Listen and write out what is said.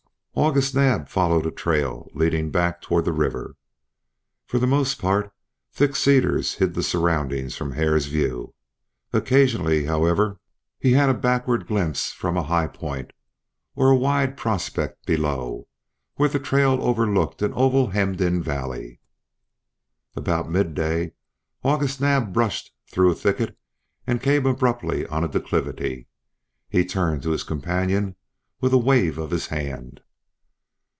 August Naab followed a trail leading back toward the river. For the most part thick cedars hid the surroundings from Hare's view; occasionally, however, he had a backward glimpse from a high point, or a wide prospect below, where the trail overlooked an oval hemmed in valley. About midday August Naab brushed through a thicket, and came abruptly on a declivity. He turned to his companion with a wave of his hand.